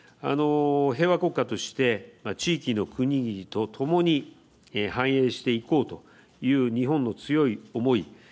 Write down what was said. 平和国家として地域の国々とともに繁栄していこうという日本の強い思い